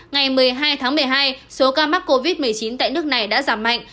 ngày một mươi hai tháng một mươi hai số ca mắc covid một mươi chín tại nước này đã giảm mạnh